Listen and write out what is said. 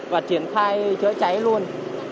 và triển khai chữa cháy luôn